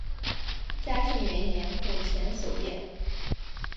嘉庆元年赴千叟宴。